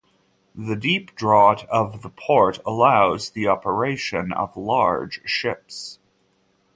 The deep draught of the port allows the operation of large ships.